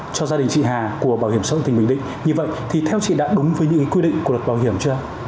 cho gia đình chị hà của bảo hiểm xã hội tỉnh bình định như vậy thì theo chị đã đúng với những quy định của luật bảo hiểm chưa